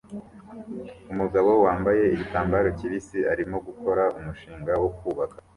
Umugabo wambaye igitambaro kibisi arimo gukora umushinga wo kubaka